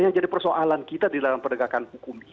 yang jadi persoalan kita di dalam perdagangan hukum ini